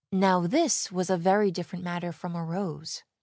Now this was a very different matter from a rose.